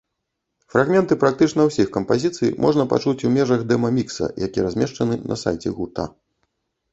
Фрагменты практычна ўсіх кампазіцый можна пачуць у межах дэма-мікса, які размешчаны на сайце гурта.